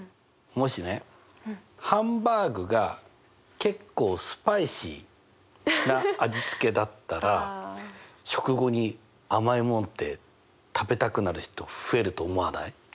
もしねハンバーグが結構スパイシーな味つけだったら食後に甘いもんって食べたくなる人増えると思わない？